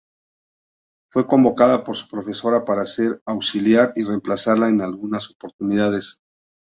Fue convocada por su profesora para ser su auxiliar y reemplazarla en algunas oportunidades.